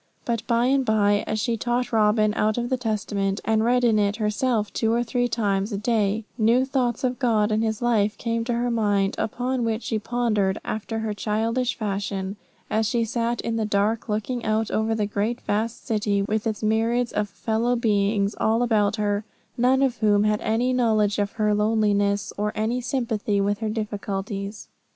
But by and by, as she taught Robin out of the Testament, and read in it herself two or three times a day, new thoughts of God and His life came to her mind, upon which she pondered, after her childish fashion, as she sat in the dark, looking out over the great vast city with its myriads of fellow beings all about her, none of whom had any knowledge of her loneliness, or any sympathy with her difficulties.